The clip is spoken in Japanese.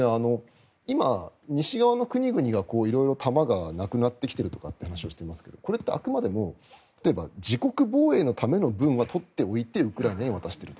西側の国々が弾がなくなってきているという話をしていますがこれってあくまでも自国防衛のためのものは取っておいてウクライナに渡している。